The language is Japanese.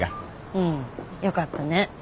うんよかったね。